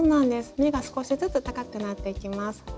目が少しずつ高くなっていきます。